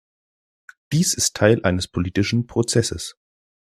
Dies ist Teil eines politischen Prozesses.